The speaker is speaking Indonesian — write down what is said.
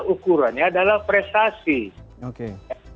ukurannya adalah prestasi